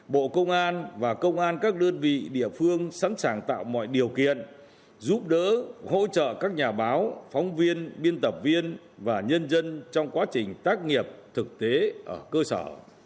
bộ công an và công an các đơn vị địa phương sẵn sàng tạo mọi điều kiện giúp đỡ hỗ trợ các nhà báo phóng viên biên tập viên và nhân dân trong quá trình tác nghiệp thực tế ở cơ sở